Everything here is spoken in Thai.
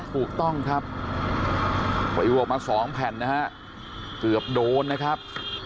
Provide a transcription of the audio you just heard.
ถูกต้องครับปลิวออกมาสองแผ่นนะฮะเกือบโดนนะครับ